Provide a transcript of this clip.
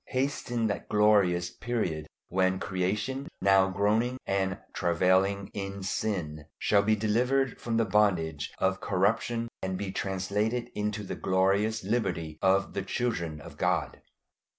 Hasten that glorious period when creation, now groaning and travailing in sin, shall be delivered from the bondage of corruption and be translated into the glorious liberty of the children of God.